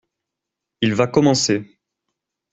Il va commencer.